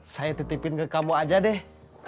saya titipin ke kamu aja deh